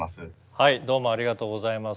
はいどうもありがとうございます。